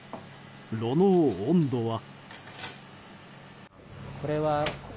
炉の温度は。